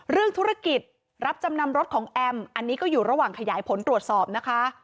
เรื่องธุรกิจรับจำนำรถของแอมอันนี้ก็อยู่ระหว่างขยายผลตรวจสอบนะคะ